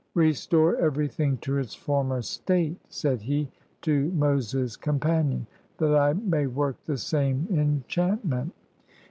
"Restore everything to its former state," said he to Moses' companion, " that I may work the same enchant ment."